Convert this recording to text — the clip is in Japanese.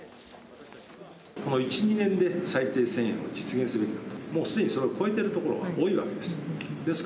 この１、２年で、最低１０００円を実現する、もうすでにそれを超えている所は多いわけです。